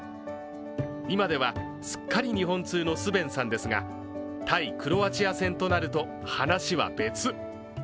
今ではすっかり日本通のスヴェンさんですが対クロアチア戦となると、話は別。